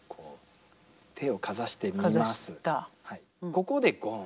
ここでゴン。